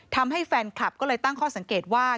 ทำให้แฟนคลับก็เลยตั้งข้อสังเกตว่า